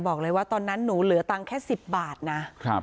บอกเลยว่าตอนนั้นหนูเหลือตังค์แค่๑๐บาทนะ